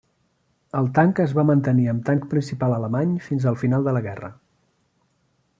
El tanc es va mantenir amb tanc principal alemany fins al final de la guerra.